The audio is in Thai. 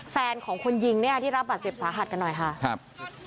แฟนของคนยิงเนี่ยที่รับบาดเจ็บสาหัสกันหน่อยค่ะครับ